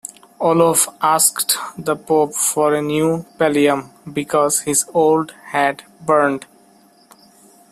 Olov asked the Pope for a new pallium, because his old had burnt.